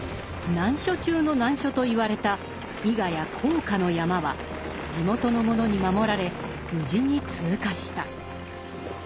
難所中の難所と言われた伊賀や甲賀の山は地元の者に守られ無事に通過した。